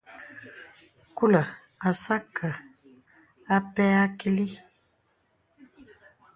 Kùlə̀ asə̄ akɛ̂ apɛ akìlì.